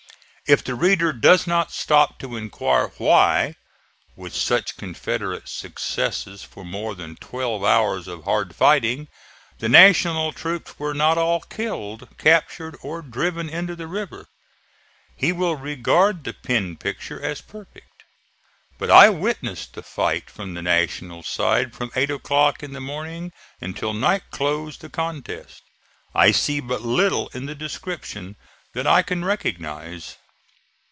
If the reader does not stop to inquire why, with such Confederate success for more than twelve hours of hard fighting, the National troops were not all killed, captured or driven into the river, he will regard the pen picture as perfect. But I witnessed the fight from the National side from eight o'clock in the morning until night closed the contest. I see but little in the description that I can recognize.